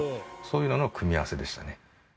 そういうのの組み合わせでしたね。